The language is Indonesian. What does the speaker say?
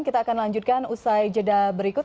kita akan lanjutkan usai jeda berikut